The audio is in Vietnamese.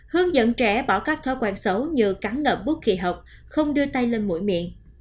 hướng dẫn trẻ bỏ các thói quen xấu như cắn ngập bút kỳ học không đưa tay lên mũi miệng